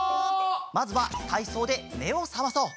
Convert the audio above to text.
まずはたいそうでめをさまそう！